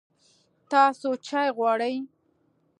تاسو چای غواړئ؟